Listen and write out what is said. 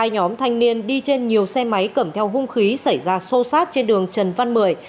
hai nhóm thanh niên đi trên nhiều xe máy cầm theo hung khí xảy ra xô xát trên đường trần văn mười